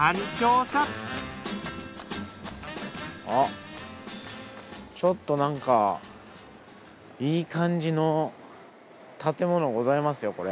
あっちょっとなんかいい感じの建物ございますよ